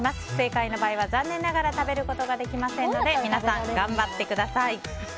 不正解の場合は残念ながら食べることができませんので皆さん頑張ってください。